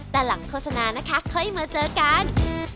แต่หลังโฆษณานะคะค่อยมาเจอกัน